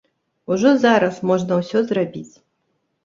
Ужо зараз можна ўсё зрабіць.